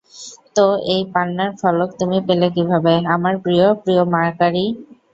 তো, এই পান্নার ফলক তুমি পেলে কীভাবে, আমার প্রিয়, প্রিয় মাকারি?